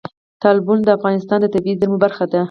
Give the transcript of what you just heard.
تالابونه د افغانستان د طبیعي زیرمو برخه ده.